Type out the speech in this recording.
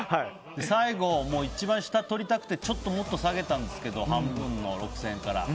最後、一番下を取りたくてもっと下げたんですけど半分の６０００円から。